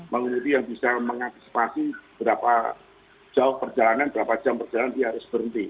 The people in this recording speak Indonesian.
mengemudi yang bisa mengantisipasi berapa jauh perjalanan berapa jam perjalanan dia harus berhenti